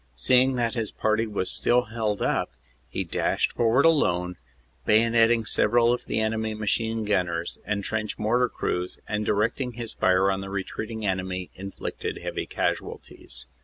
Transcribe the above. Seeing that his party was still held up, he dashed forward alone, bayonetting several of the enemy machine gunners and trench mortar crews and, directing his fire on the retreating enemy, inflicted heavy casualties.